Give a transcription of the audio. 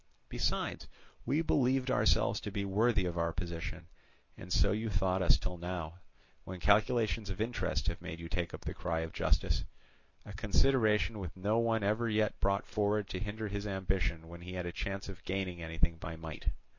Besides, we believed ourselves to be worthy of our position, and so you thought us till now, when calculations of interest have made you take up the cry of justice—a consideration which no one ever yet brought forward to hinder his ambition when he had a chance of gaining anything by might.